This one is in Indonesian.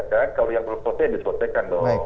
kalau yang berpotensi ya dipotensikan dong